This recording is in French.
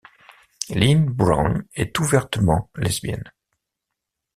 Lynne Brown est ouvertement lesbienne.